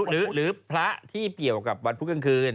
หรือพระที่เกี่ยวกับวันพุธกลางคืน